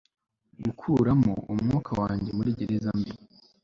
gukuramo umwuka wanjye muri gereza mbi